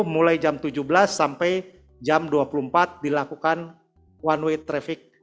mulai jam tujuh belas sampai jam dua puluh empat dilakukan one way traffic